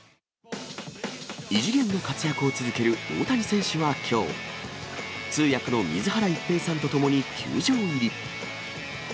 異次元の活躍を続ける大谷選手はきょう、通訳の水原一平さんと共に球場入り。